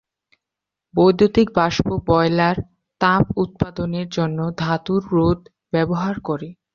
বৈদ্যুতিক বাষ্প বয়লার তাপ উৎপাদনের জন্য ধাতুর রোধ ব্যবহার করে।